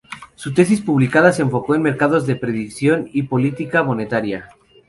Su tesis publicada se enfocó en mercados de predicción y política monetaria.